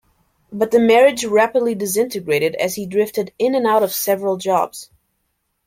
But the marriage rapidly disintegrated as he drifted in and out of several jobs.